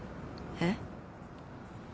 えっ？